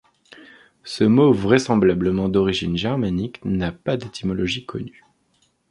Ce mot vraisemblablement d'origine germanique n'a pas d'étymologie connue.